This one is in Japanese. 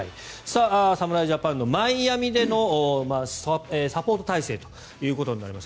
侍ジャパンのマイアミでのサポート態勢ということです。